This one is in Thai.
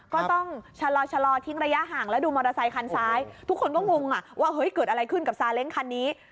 ก็ต้องชะลอทิ้งระยะห่างแล้วดูมอเตอร์ไซคันซ้ายทุกคนก็งงอ่ะว่าเฮ้ยเกิดอะไรขึ้นกับซาเล้งคันนี้